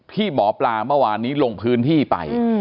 ที่หมอปลาเมื่อวานนี้ลงพื้นที่ไป